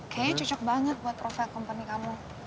kayaknya cocok banget buat profil company kamu